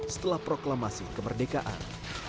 setelah proklamasi kemerdekaan